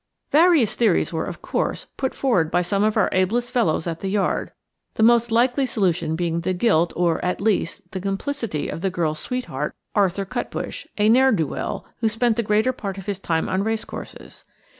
Various theories were, of course, put forward by some of our ablest fellows at the Yard; the most likely solution being the guilt or, at least, the complicity of the girl's sweetheart, Arthur Cutbush–a ne'er do well, who spent the greater part of his time on race courses.